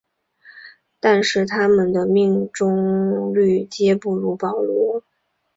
但是它们的命中率皆不如保罗。